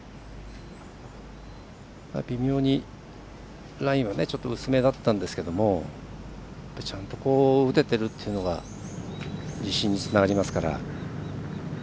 微妙にラインはちょっと薄めだったんですがちゃんと、打ててるっていうのは自信につながりますから。